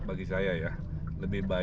ingin melihat kembahan